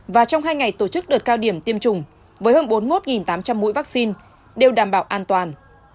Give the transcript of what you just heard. và trong hai ngày tổ chức đợt cao điểm tiêm chủng với hơn bốn mươi một tám trăm linh mũi vaccine đều đảm bảo an toàn